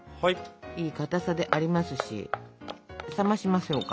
いいかたさでありますし冷ましましょうか。